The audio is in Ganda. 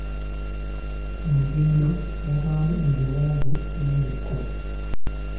Mu lugendo mubaamu ebiwonvu n’ebikko.